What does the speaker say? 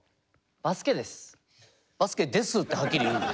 「バスケです」ってはっきり言うんだ。